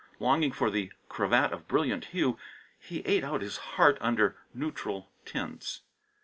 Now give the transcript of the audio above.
Longing for the cravat of brilliant hue, he ate out his heart under neutral tints.